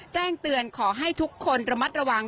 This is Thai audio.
แจ้งเตือนขอให้ทุกคนระมัดระวัง